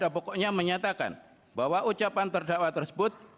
berkata bahwa ocapan terdakwa tersebut